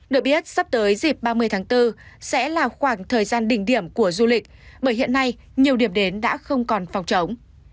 được biết sắp tới dịp ba mươi tháng bốn sẽ là khoảng thời gian đỉnh điểm của du lịch bởi hiện nay nhiều điểm đến đã không còn phòng chống